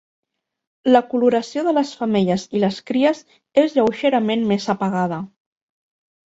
La coloració de les femelles i les cries és lleugerament més apagada.